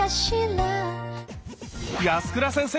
安倉先生